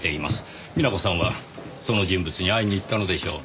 美奈子さんはその人物に会いに行ったのでしょう。